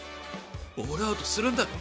オールアウトするんだろ？